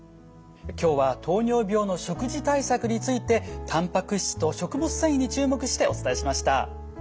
今日は糖尿病の食事対策についてたんぱく質と食物繊維に注目してお伝えしました。